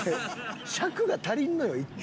尺が足りんのよいつも。